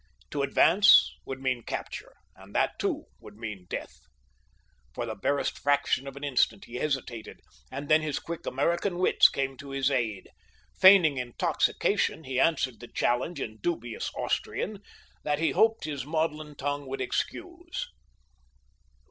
To advance would mean capture, and that too would mean death. For the barest fraction of an instant he hesitated, and then his quick American wits came to his aid. Feigning intoxication he answered the challenge in dubious Austrian that he hoped his maudlin tongue would excuse.